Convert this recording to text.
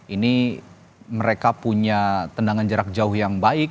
ini mereka punya tendangan jarak jauh yang baik